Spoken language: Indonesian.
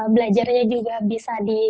belajarnya juga bisa di